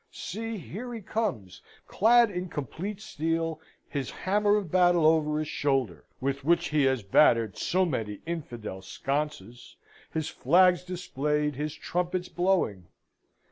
See, here he comes, clad in complete steel, his hammer of battle over his shoulder, with which he has battered so many infidel sconces, his flags displayed, his trumpets blowing.